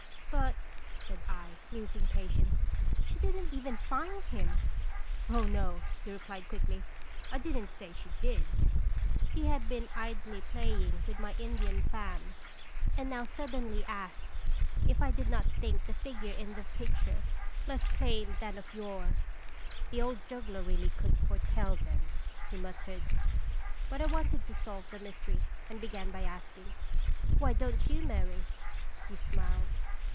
"But," said I, losing patience, " she didn't even find him." "Oh, no," he replied, quickly; "I didn't say she did." He had been idly playing with my Indian fan, and now suddenly asked if I did not think the figure in the picture less plain than of yore. " The old juggler really could foretell then," he muttered. But I wanted to solve the mystery, and began by asking, "Why don't you marry?" He smiled.